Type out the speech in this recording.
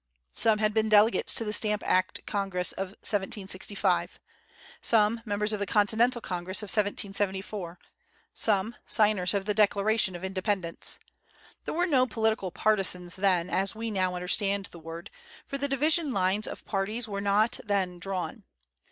Some had been delegates to the Stamp Act Congress of 1765; some, members of the Continental Congress of 1774; some, signers of the Declaration of Independence. There were no political partisans then, as we now understand the word, for the division lines of parties were not then drawn.